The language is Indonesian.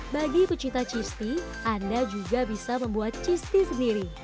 bagi pecinta chips tea anda juga bisa membuat chis tea sendiri